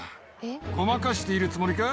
ごまかしているつもりか？